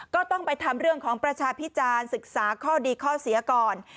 ก็ต้องไปทำเรื่องของประชาพิจารณ์ศึกษาข้อดีข้อเสียก่อน